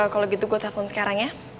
kalau gitu gue telpon sekarang ya